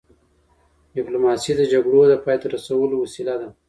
ډيپلوماسي د جګړو د پای ته رسولو وسیله ده.